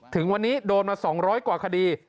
ถึงวันนี้โดนมา๒๐๐กว่าคดี